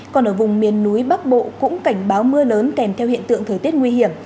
còn ở vùng miền núi bắc bộ cũng cảnh báo mưa lớn kèm theo hiện tượng thời tiết nguy hiểm